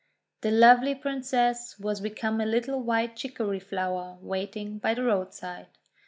The lovely Princess was become a little White Chicory flower waiting by the roadside.